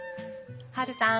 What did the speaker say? ハルさん